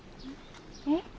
えっ？